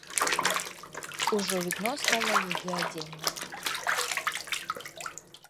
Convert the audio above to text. Ужо відно стала яе адзенне.